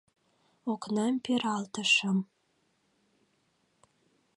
Окнам пералтышым.